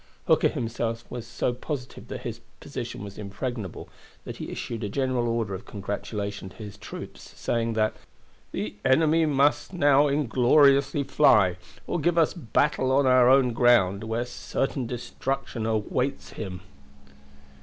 Hooker himself was so positive that his position was impregnable that he issued a general order of congratulation to his troops, saying that "the enemy must now ingloriously fly or give us battle on our own ground, where certain destruction awaits him."